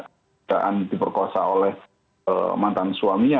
keadaan diperkosa oleh mantan suaminya